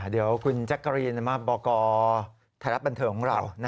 เดี๋ยวคุณแจ๊กการีนมาบอกกรฐานปันเถิมของเรา